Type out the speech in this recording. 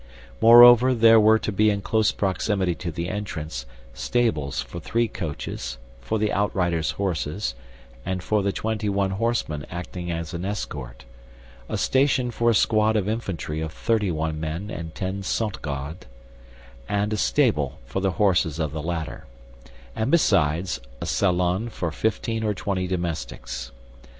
Moreover, there were to be in close proximity to the entrance, stables for three coaches, for the outriders' horses, and for the twenty one horsemen acting as an escort; a station for a squad of infantry of thirty one men and ten cent gardes, and a stable for the horses of the latter; and, besides, a salon for fifteen or twenty domestics.